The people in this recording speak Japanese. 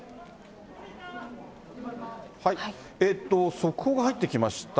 速報が入ってきました。